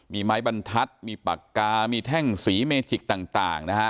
มีไม้บรรทัศน์มีปากกามีแท่งสีเมจิกต่างนะฮะ